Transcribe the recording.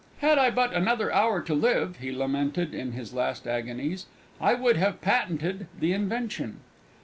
"Had I but another hour to live," he lamented in his last agonies, "I would have patented the invention!"